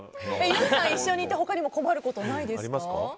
ゆんさん、一緒にいて他にも困ることないですか？